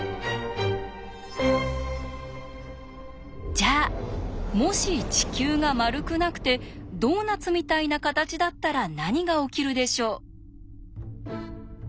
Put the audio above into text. じゃあもし地球が丸くなくてドーナツみたいな形だったら何が起きるでしょう？